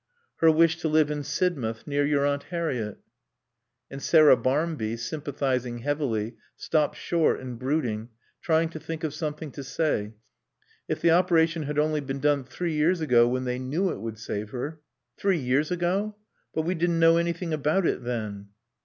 "Her wish to live in Sidmouth, near your Aunt Harriett." And Sarah Barmby, sympathizing heavily, stopping short and brooding, trying to think of something to say: "If the operation had only been done three years ago when they knew it would save her " "Three years ago? But we didn't know anything about it then."